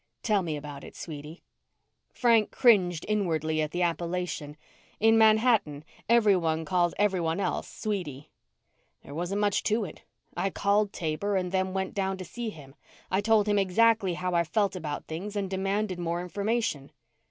"Tell me about it, sweetie." Frank cringed inwardly at the appellation. In Manhattan, everyone called everyone else sweetie. "There wasn't much to it. I called Taber and then went down to see him. I told him exactly how I felt about things and demanded more information."